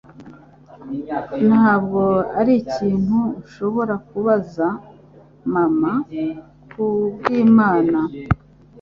Ntabwo arikintu nshobora kubaza mama, kubwimana!